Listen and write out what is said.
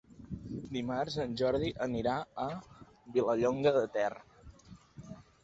Dimarts en Jordi anirà a Vilallonga de Ter.